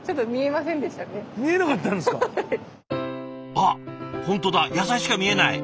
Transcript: あっ本当だ野菜しか見えない！